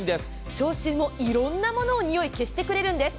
消臭も、いろんなもののにおいを消してくれるんです。